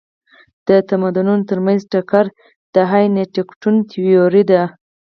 د تمدنونو ترمنځ ټکر د هانټینګټون تيوري ده.